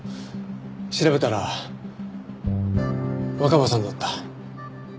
調べたら若葉さんだった。